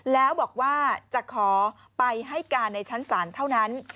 แล้วบอกว่าจะขอไปให้การในชั้นศาลเท่านั้น